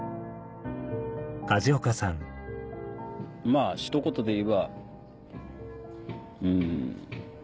まぁひと言で言えばうん。